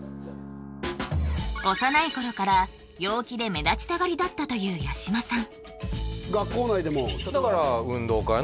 幼い頃から陽気で目立ちたがりだったという八嶋さん学校内でも？